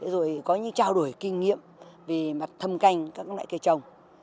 rồi có những trao đổi kinh nghiệm về mặt thâm canh các loại cây trồng